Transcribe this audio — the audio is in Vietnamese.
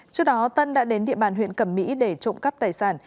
trước đó tân đã đến địa bàn huyện cẩm mỹ để trộm cắp tài sản